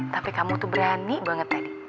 tapi kamu tuh berani banget tadi